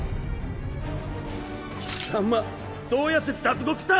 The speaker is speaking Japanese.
貴様どうやって脱獄した⁉